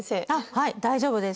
はい大丈夫です。